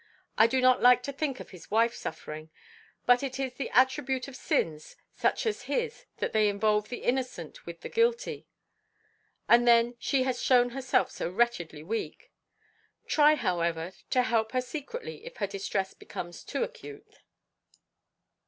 I do not like to think of his wife suffering, but it is the attribute of sins such as his that they involve the innocent with the guilty; and then she has shown herself so wretchedly weak. Try, however, to help her secretly if her distress becomes too acute.